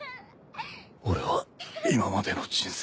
俺は今までの人生。